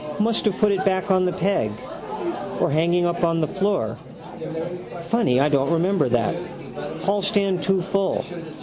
Must have put it back on the peg. Or hanging up on the floor. Funny I don't remember that. Hallstand too full.